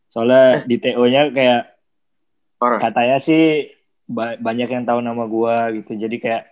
soalnya di to nya kayak katanya sih banyak yang tahu nama gue gitu jadi kayak